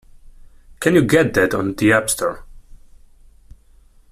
Can you get that on the App Store?